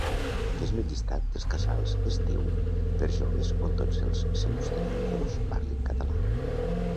Fes-me llistat dels Casals Estiu per joves on tots els seus treballadors parlin català